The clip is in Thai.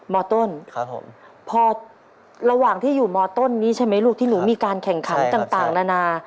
มต้นครับผมพอระหว่างที่อยู่มต้นนี้ใช่ไหมลูกที่หนูมีการแข่งขันต่างนานา